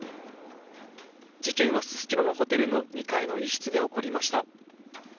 事件はススキノのホテルの２階の一室で起こりました。